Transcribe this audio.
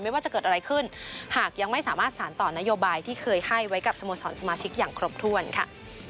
ว่าจะเกิดอะไรขึ้นหากยังไม่สามารถสารต่อนโยบายที่เคยให้ไว้กับสโมสรสมาชิกอย่างครบถ้วนค่ะ